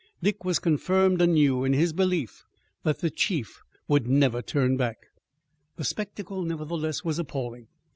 Dick was confirmed anew in his belief that the chief would never turn back. The spectacle, nevertheless, was appalling.